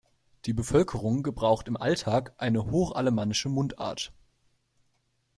Die Bevölkerung gebraucht im Alltag eine hochalemannische Mundart.